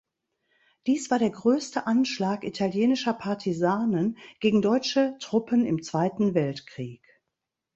Dies war der größte Anschlag italienischer Partisanen gegen deutsche Truppen im Zweiten Weltkrieg.